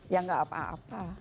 ya gak apa apa